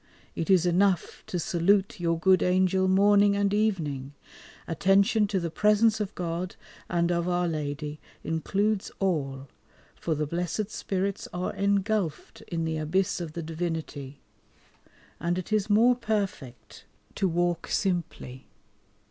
It is enough to salute your good Angel morning and evening. Attention to the presence of God and of Our Lady includes all, for the blessed Spirits are engulphed in the abyss of the Divinity, and it is more perfect to walk simply.